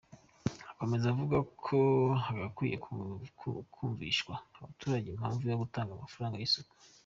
Akomeza avuga ko hagakwiye kumvishwa abaturage impamvu yo gutanga amafaranga y’isuku.